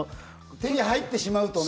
手に入ってしまうとね。